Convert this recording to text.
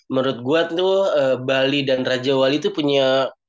menurut gue tuh bali dan raja wali tuh punya